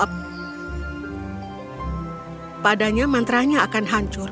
padanya mantra nya akan hancur